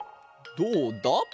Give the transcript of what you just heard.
どうだ？